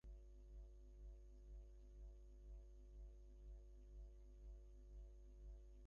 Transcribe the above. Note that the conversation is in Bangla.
সেই ভাবনা তোমার উত্তরোত্তর বর্ধিত হউক, যতদিন না সমুদয় কৃতকর্ম সম্পূর্ণরূপে ক্ষয়প্রাপ্ত হয়।